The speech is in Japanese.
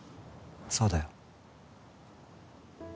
そうだよ。